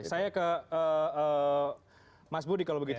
saya ke mas budi kalau begitu